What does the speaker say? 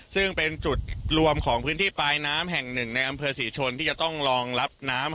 ซึ่งเป็นจุดรวมของพื้นที่ปลายน้ำแห่งหนึ่งในอำเภอศรีชนที่จะต้องรองรับน้ำ